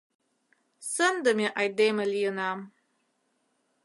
Сындыме айдеме лийынам.